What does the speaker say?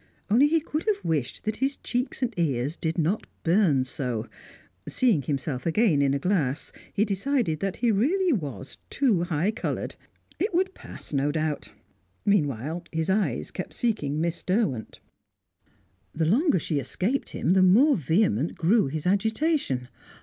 Only he could have wished that his cheeks and ears did not burn so; seeing himself again in a glass, he decided that he was really too high coloured. It would pass, no doubt. Meanwhile, his eyes kept seeking Miss Derwent. The longer she escaped him, the more vehement grew his agitation.